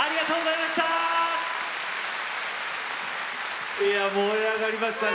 いや燃え上がりましたね。